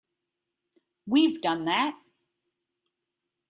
We've done that.